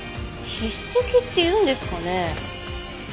筆跡って言うんですかね？